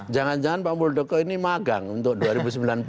jangan jangan pak muldoko ini magang untuk dua ribu sembilan belas jadi vice president